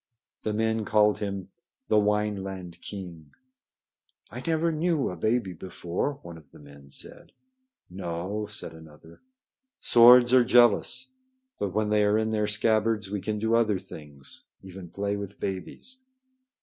The men called him the "Wineland king." "I never knew a baby before," one of the men said. "No," said another. "Swords are jealous. But when they are in their scabbards, we can do other things, even play with babies."